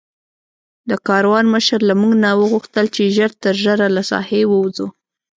د کاروان مشر له موږ نه وغوښتل چې ژر تر ژره له ساحې ووځو.